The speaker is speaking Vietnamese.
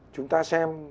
chúng ta xem